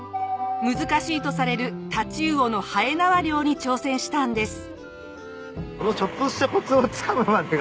難しいとされる太刀魚のはえ縄漁に挑戦したんです。